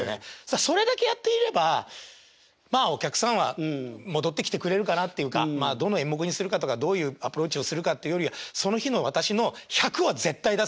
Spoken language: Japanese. それだけやっていればまあお客さんは戻ってきてくれるかなっていうかどの演目にするかとかどういうアプローチをするかっていうよりはその日の私の１００は絶対に出す。